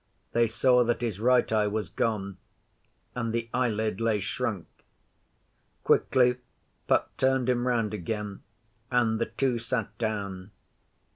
They saw that his right eye was gone, and the eyelid lay shrunk. Quickly Puck turned him round again, and the two sat down.